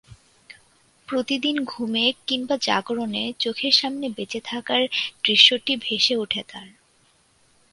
প্রতিদিন ঘুমে কিংবা জাগরণে চোখের সামনে বেঁচে থাকার দৃশ্যটি ভেসে ওঠে তাঁর।